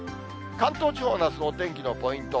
関東地方のあすのお天気のポイント。